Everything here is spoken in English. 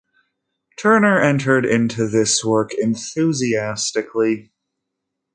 Turner entered into this work enthusiastically.